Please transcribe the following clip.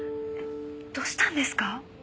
どうしたんですか？